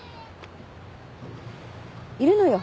いるのよ